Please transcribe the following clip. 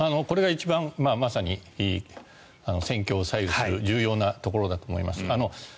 これが一番まさに戦況を左右する重要なところだと思います。